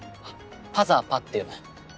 パザパって読む。